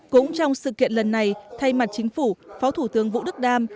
cũng trong sự kiện lần này thay mặt chính phủ phó thủ tướng vũ đức đam